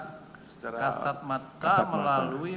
kasat mata melalui